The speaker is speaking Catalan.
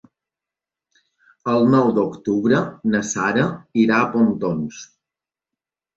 El nou d'octubre na Sara irà a Pontons.